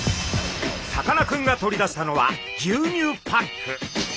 さかなクンが取り出したのは牛乳パック。